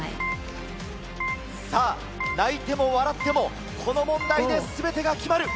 さぁ泣いても笑ってもこの問題で全てが決まる。